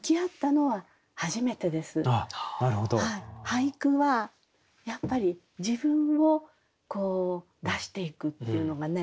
俳句はやっぱり自分を出していくっていうのがね